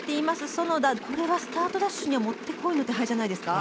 園田これはスタートダッシュにはもってこいの手牌じゃないですか？